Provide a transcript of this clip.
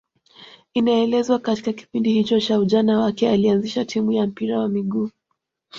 Inaelezwa katika kipindi hicho cha ujana wake alianzisha timu ya mpira wa miguu